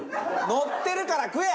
のってるから食え！